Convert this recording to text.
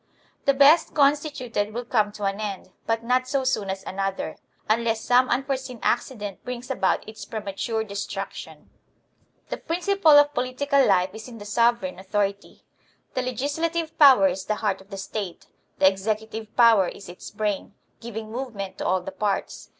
The best constituted will come to an end, but not so soon as another, unless some unforeseen accident brings about its premature de struction. HOW SOVEREIGN AUTHORITY IS MAINTAINED 79 The principle of political life is in the sovereign author ity. The legislative power is the heart of the State ; the executive power is its brain, giving movement to all the parts.